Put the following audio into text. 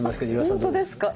本当ですか。